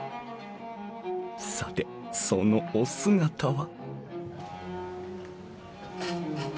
さてそのお姿は？